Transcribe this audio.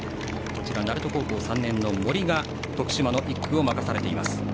鳴門高校３年、森が徳島の１区を任されています。